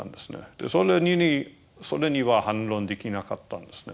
それには反論できなかったんですね。